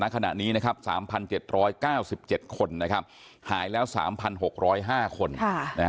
๓๗๙๗คนหายแล้ว๓๖๐๕คน